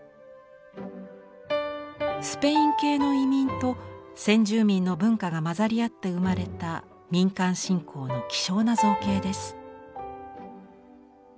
スペイン系の移民と先住民の文化が混ざり合って生まれた民間信仰の希少な造形です。